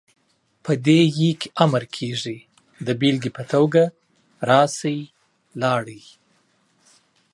په دې ئ کې امر کيږي، دا بيلګې په توګه ، راشئ، لاړئ،